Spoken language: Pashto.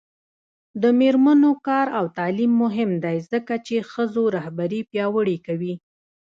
د میرمنو کار او تعلیم مهم دی ځکه چې ښځو رهبري پیاوړې کوي.